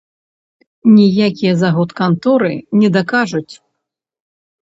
Ніякія заготканторы не дакажуць!